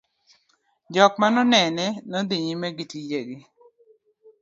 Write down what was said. jok ma nonene nodhi nyime gi tije gi